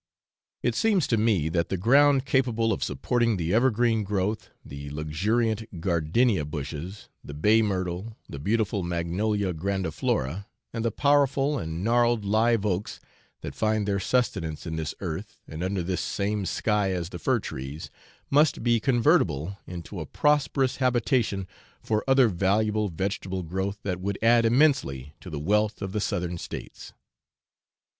It seems to me that the ground capable of supporting the evergreen growth, the luxuriant gardenia bushes, the bay myrtle, the beautiful magnolia grandiflora, and the powerful and gnarled live oaks, that find their sustenance in this earth and under this same sky as the fir trees, must be convertible into a prosperous habitation for other valuable vegetable growth that would add immensely to the wealth of the Southern States.